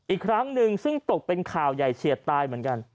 อีกครั้งหนึ่งซึ่งตกเป็นข่าวใหญ่เฉียดตายเหมือนกัน